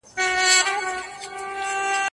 چي تندي كي دي سجدې ورته ساتلې